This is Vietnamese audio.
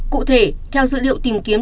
cụ thể theo dữ liệu tìm kiếm